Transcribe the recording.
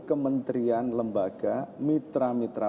kementerian lembaga mitra mitra